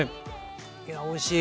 いやおいしい。